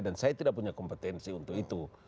dan saya tidak punya kompetensi untuk itu